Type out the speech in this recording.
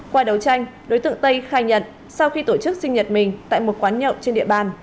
qua đấu tranh đối tượng tây khai nhận sau khi tổ chức sinh nhật mình tại một quán nhậu trên địa bàn